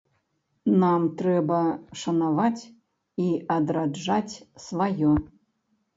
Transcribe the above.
Нам трэба шанаваць і адраджаць сваё.